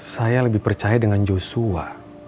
saya lebih percaya dengan joshua